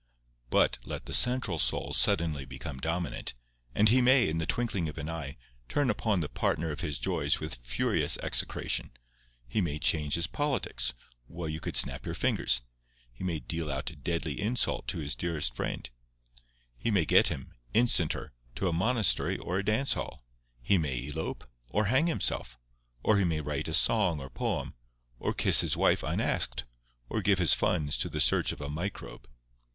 But let the central soul suddenly become dominant, and he may, in the twinkling of an eye, turn upon the partner of his joys with furious execration; he may change his politics while you could snap your fingers; he may deal out deadly insult to his dearest friend; he may get him, instanter, to a monastery or a dance hall; he may elope, or hang himself—or he may write a song or poem, or kiss his wife unasked, or give his funds to the search of a microbe.